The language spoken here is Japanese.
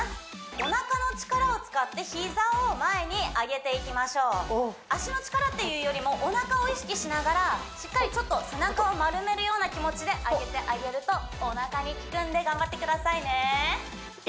おなかの力を使って膝を前に上げていきましょう足の力っていうよりもおなかを意識しながらしっかりちょっと背中を丸めるような気持ちで上げてあげるとおなかにきくんで頑張ってください